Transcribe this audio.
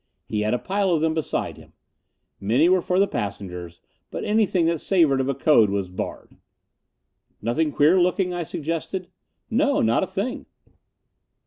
He had a pile of them beside him. Many were for the passengers; but anything that savored of a code was barred. "Nothing queer looking?" I suggested. "No. Not a thing."